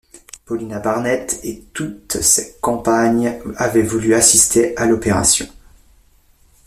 Paulina Barnett et toutes ses compagnes avaient voulu assister à l’opération.